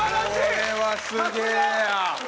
これはすげえや！